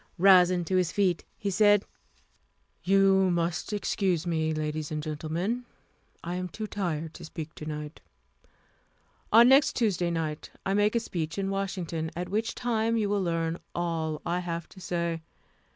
Rising to his feet, he said: "You must excuse me, ladies and gentlemen. I am too tired to speak to night. On next Tuesday night I make a speech in Washington, at which time you will learn all I have to say.